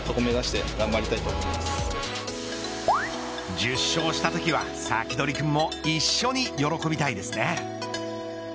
１０勝したときはサキドリ君も一緒に喜びたいですね。